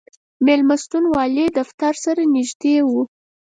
مېلمستون والي دفتر سره نږدې و.